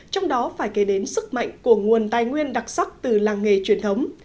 trong đó phải kể đến sức mạnh của nguồn tài nguyên đặc sắc từ làng nghề truyền thống